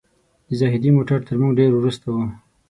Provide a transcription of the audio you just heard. د زاهدي موټر تر موږ ډېر وروسته و.